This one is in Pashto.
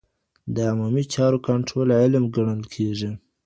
د عمومي چارو کنټرول علم ګڼل کېږي.